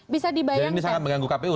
bisa dibayangkan dan ini sangat mengganggu kpu